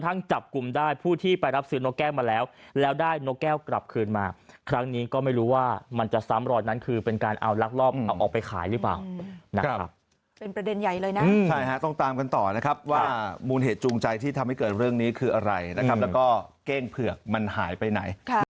ต้องตามกันต่อนะครับว่ามูลเหตุจูงใจที่ทำให้เกิดเรื่องนี้คืออะไรและเก้งเผือกมันหายไปไหน